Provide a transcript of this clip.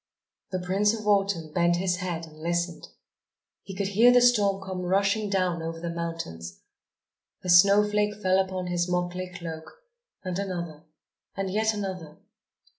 The Prince of Autumn bent his head and listened. He could hear the storm come rushing down over the mountains. A snowflake fell upon his motley cloak ... and another ... and yet another....